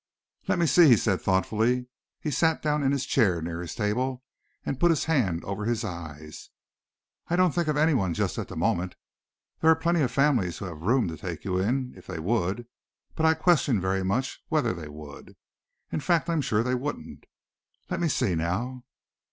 "Let me see," he said thoughtfully. He sat down in his chair near his table and put his hand over his eyes. "I don't think of anyone just at the moment. There are plenty of families who have room to take you if they would, but I question very much whether they would. In fact I'm rather sure they wouldn't. Let me see now."